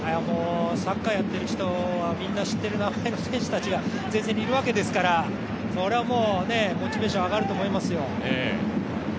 サッカーやっている人はみんな知ってる名前の選手たちが前線にいるわけですから、そりゃもう、モチベーション上がると思いますよ。